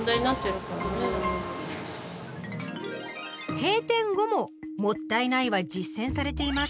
閉店後も「もったいない」は実践されています。